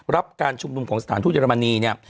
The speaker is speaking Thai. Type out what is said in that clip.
รับการชุมนุมของสถานธุรมณีเนี่ย